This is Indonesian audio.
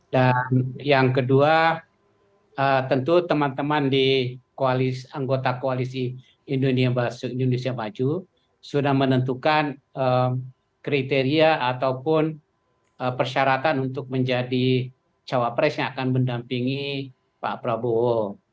dan yang kedua tentu teman teman di koalisi anggota koalisi indonesia maju sudah menentukan kriteria ataupun persyaratan untuk menjadi cawapres yang akan mendampingi pak prabowo